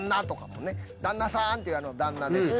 「旦那さん」っていうあの「旦那」です。